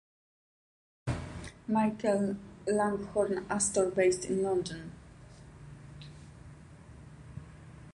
Michael Langhorne Astor, based in London.